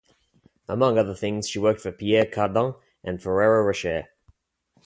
Among other things, she worked for "Pier Cardin" and "Ferrero Rocher".